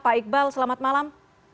pak iqbal selamat malam